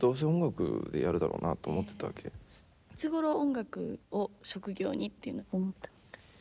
いつごろ音楽を職業にっていうのを思った？